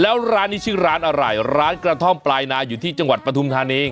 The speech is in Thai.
แล้วร้านนี้ชื่อร้านอะไรร้านกระท่อมปลายนาอยู่ที่จังหวัดปฐุมธานี